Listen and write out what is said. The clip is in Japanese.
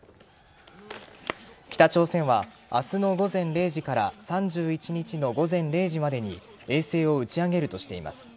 北朝鮮は、明日の午前０時から３１日の午前０時までに衛星を打ち上げるとしています。